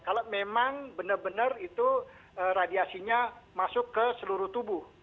kalau memang benar benar itu radiasinya masuk ke seluruh tubuh